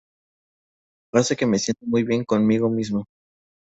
Hace que me sienta muy bien conmigo mismo.